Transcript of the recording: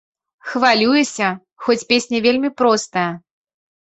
Хвалююся, хоць песня вельмі простая.